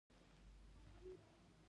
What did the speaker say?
د دیارلس سوه یو اویا د جدې یوولسمه ورځ ده.